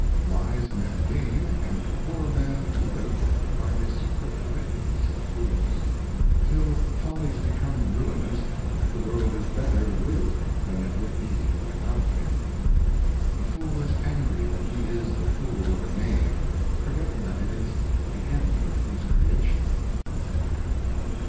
Wise Men gain, and poor Men live, by the Superfluities of Fools. TiU Follies become ruinous, the World is better with than it would be without them. A Fool is angry that he is the Food of a Knave, forgetting that it is the End of his Creation.